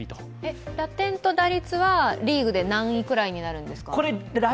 打点と打率はリーグで何位くらいになるんですか？